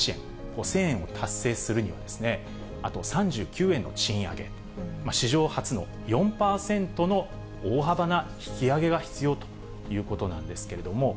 １０００円を達成するには、あと３９円の賃上げ、史上初の４％の大幅な引き上げが必要ということなんですけれども。